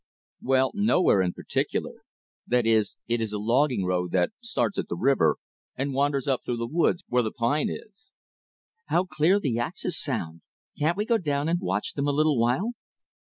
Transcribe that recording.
"Well, nowhere in particular. That is, it is a logging road that starts at the river and wanders up through the woods where the pine is." "How clear the axes sound. Can't we go down and watch them a little while?"